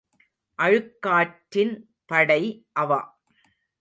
அழுக்காற்றின் படை அவா.